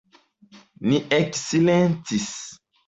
Ni eksilentis.